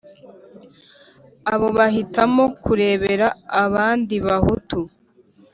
Abo bahitamo kurebera abandibahutu